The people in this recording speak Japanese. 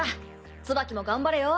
ツバキも頑張れよ。